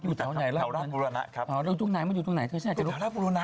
รุ่งหลัดบูรณะครับ